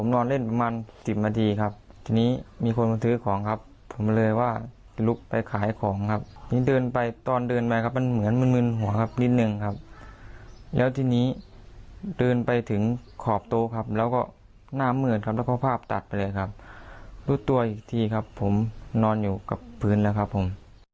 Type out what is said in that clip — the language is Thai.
นอนอยู่กับเพื่อนแล้วครับผม